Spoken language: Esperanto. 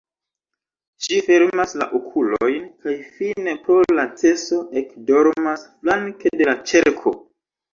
Ŝi fermas la okulojn kaj fine pro laceco ekdormas flanke de la ĉerko.